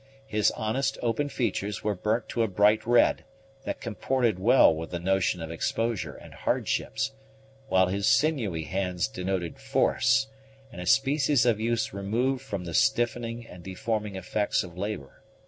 His honest, open features were burnt to a bright red, that comported well with the notion of exposure and hardships, while his sinewy hands denoted force, and a species of use removed from the stiffening and deforming effects of labor.